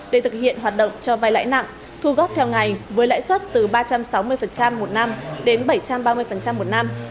để thực hiện hoạt động cho vai lãi nặng thu góp theo ngày với lãi suất từ ba trăm sáu mươi một năm đến bảy trăm ba mươi một năm